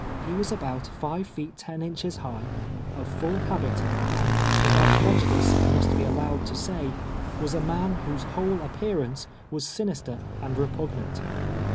He was al>out five feet ten inches liigli, of full habit, and, without prejudice, I must be allowed to say, was a num whose whole ap pearance was sinister and repugnant.